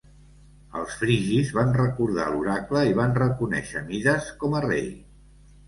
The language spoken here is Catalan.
Els frigis van recordar l'oracle i van reconèixer Mides com a rei.